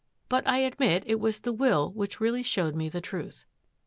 But I admit it was the will which really showed me the truth.